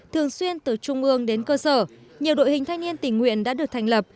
thường xuyên từ trung ương đến cơ sở nhiều đội hình thanh niên tình nguyện đã được thành lập